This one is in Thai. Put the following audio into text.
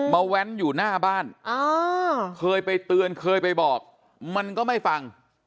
แว้นอยู่หน้าบ้านเคยไปเตือนเคยไปบอกมันก็ไม่ฟัง